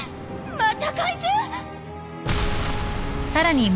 また怪獣！？